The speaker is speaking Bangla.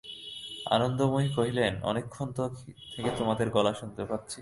আনন্দময়ী কহিলেন, অনেকক্ষণ থেকে তোমাদের গলা শুনতে পাচ্ছি।